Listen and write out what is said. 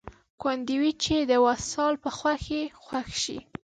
ګوندې وي چې د وصال په خوښۍ خوښ شي